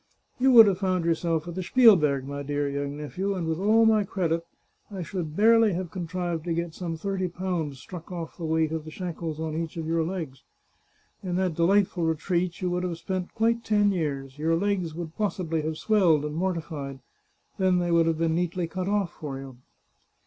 You would have found yourself at the Spielberg, my dear young nephew, and with all my credit, I should barely have con trived to get some thirty pounds struck oft the weight of the shackles on each of your legs. In that delightful retreat you would have spent quite ten years ; your legs would possibly have swelled and mortified. Then they would have been neatly cut oflf for you."